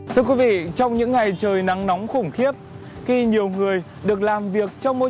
thưa quý vị trong những ngày trời nắng nóng khủng khiếp khi nhiều người được làm việc trong môi trường